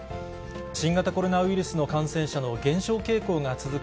新型コロナウイルスの感染者の減少傾向が続く